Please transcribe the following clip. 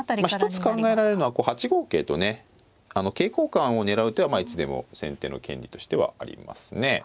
まあ一つ考えられるのはこう８五桂とね桂交換を狙う手はまあいつでも先手の権利としてはありますね。